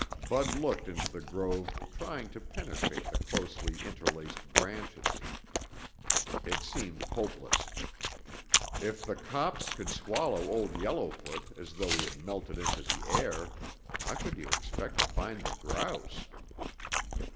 Bud looked into the grove trying to penetrate the closely interlaced branches. It seemed hopeless. If the copse could swallow Old Yellowfoot as though he had melted into the air, how could you expect to find the grouse?